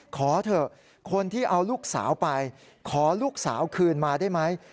ขอเถอะคนที่เอาลูกสาวไปขอลูกสาวคืนมาได้ไหม